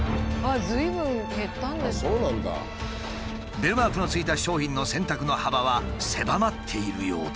ベルマークのついた商品の選択の幅は狭まっているようだ。